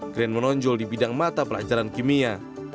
green menonjol di bidang mata pelajaran kimia